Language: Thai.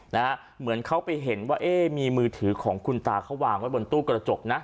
เหมือนเขาไปเห็นว่าเอ๊ะมีมือถือของคุณตาเขาวางไว้บนตู้กระจกนะ